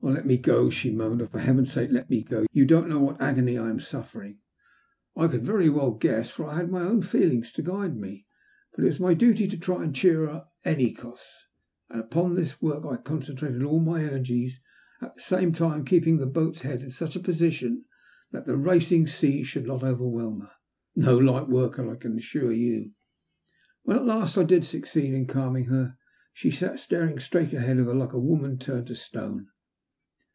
"Let me go," she moaned. ''Oh, for Heaven*8 sake, let me go ! You don't know what agony I am suflfering." I could very well guess, for I had my own feelings to guide me. But it was my duty to try and cheer her at any cost, and upon this work I concentrated all my energies, at the same time keeping the boat's head in such a position that the racing seas should not overwhelm her — no light work, I can assure you. When at last I did succeed in calming her, she sat sturing straight ahead of her like a woman turned to stone.